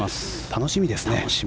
楽しみですね。